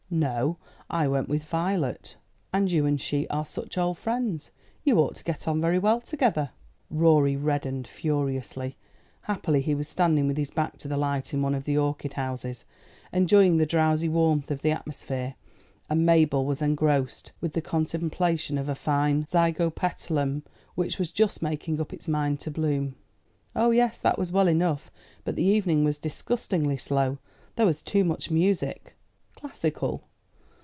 "No; I went in with Violet." "And you and she are such old friends. You ought to get on very well together." Rorie reddened furiously. Happily he was standing with his back to the light in one of the orchid houses, enjoying the drowsy warmth of the atmosphere, and Mabel was engrossed with the contemplation of a fine zygopetalum, which was just making up its mind to bloom. "Oh, yes, that was well enough; but the evening was disgustingly slow. There was too much music." "Classical?"